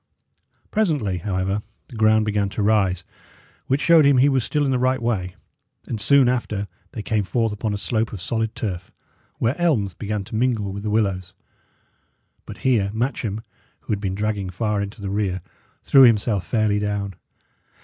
Presently, however, the ground began to rise, which showed him he was still in the right way, and soon after they came forth upon a slope of solid turf, where elms began to mingle with the willows. But here Matcham, who had been dragging far into the rear, threw himself fairly down.